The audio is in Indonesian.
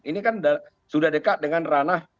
ini kan sudah dekat dengan ranah